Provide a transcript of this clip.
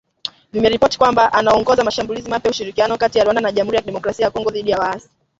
vimeripoti kwamba anaongoza mashambulizi mapya, ushirikiano kati ya Rwanda na Jamuhuri ya Kidemokrasia ya Kongo dhidi ya waasi